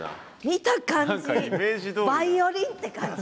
見た感じバイオリンって感じ。